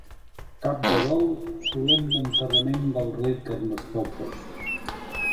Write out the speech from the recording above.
Cap de dol, Solemne Enterrament del rei Carnestoltes.